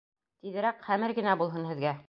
Тиҙерәк хәмер генә булһын һеҙгә.